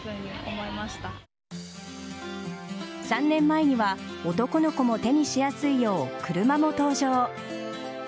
３年前には男の子も手にしやすいよう車も登場。